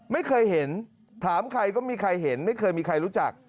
ไม่เคยเห็นถามใครก็ไม่มีใครเห็นไม่เคยมีใครรู้จัก